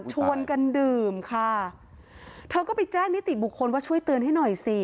ชวนกันดื่มค่ะเธอก็ไปแจ้งนิติบุคคลว่าช่วยเตือนให้หน่อยสิ